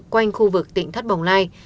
quanh khu vực tỉnh thất bồng lai